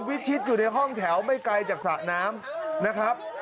วิชิตอยู่ในห้องแถวไม่ไกลจากสระน้ำนะครับ